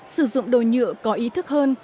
sử dụng đồ nhựa có ý thức hơn